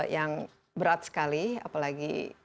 yang berat sekali apalagi